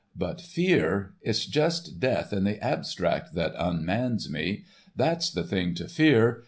But fear,—it's just death in the abstract that unmans me. That's the thing to fear.